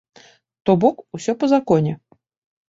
То бок, усё па законе.